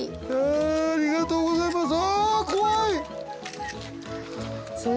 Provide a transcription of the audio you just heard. ありがとうございます。